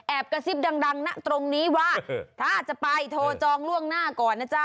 กระซิบดังนะตรงนี้ว่าถ้าจะไปโทรจองล่วงหน้าก่อนนะจ๊ะ